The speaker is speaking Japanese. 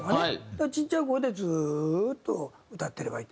だからちっちゃい声でずーっと歌ってればいい。